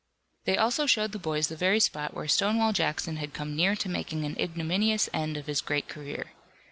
They also showed the boys the very spot where Stonewall Jackson had come near to making an ignominious end of his great career.